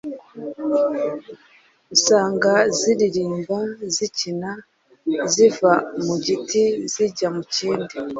Usanga ziririmba, zikina, ziva mu giti zijya mu kindi.